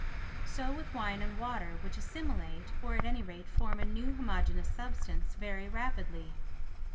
So with wine and water which assimilate, or at any rate form a new homogeneous substance, very rapidly.